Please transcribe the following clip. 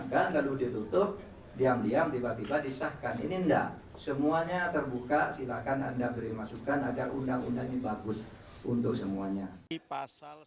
silakan anda beri masukan agar undang undang ini bagus untuk semuanya